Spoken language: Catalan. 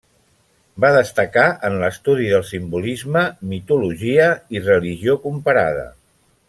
Va destacar en l'estudi del simbolisme, mitologia, i religió comparada.